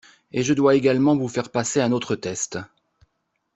Et je dois également vous faire passer un autre test,